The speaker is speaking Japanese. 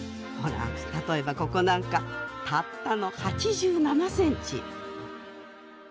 ほら例えばここなんかたったの８７センチ！